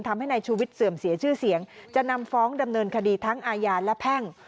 ทำให้นายชูวิทย์เสื่อมเสียชื่อเสียงจะนำฟ้องดำเนินคดีทั้งอาญาและแพ่ง